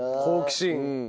好奇心。